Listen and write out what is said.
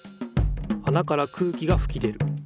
あなから空気がふき出る。